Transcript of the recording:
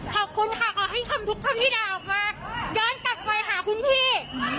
ขอบคุณค่ะขอให้คำทุกคำที่ด่าออกมาย้อนกลับไปหาคุณพี่